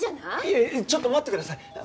いえちょっと待ってください。